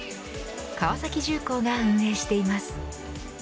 川崎重工が運営しています。